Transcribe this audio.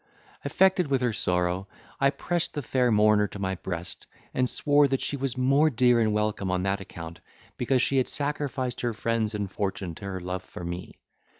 Affected with her sorrow, I pressed the fair mourner to my breast, and swore that she was more dear and welcome on that account, because she had sacrificed her friends and fortune to her love for me.